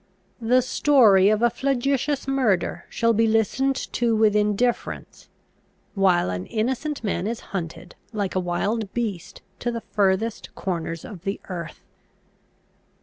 The story of a flagitious murder shall be listened to with indifference, while an innocent man is hunted, like a wild beast, to the furthest corners of the earth!